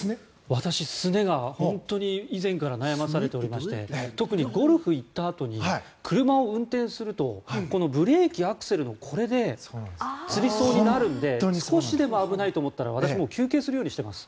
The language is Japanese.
私、すねが本当に以前から悩まされておりまして特にゴルフ行ったあとに車を運転するとブレーキ、アクセルのこれでつりそうになるので少しでも危ないと思ったら私、休憩するようにしています。